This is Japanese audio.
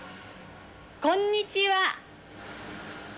こんにちは。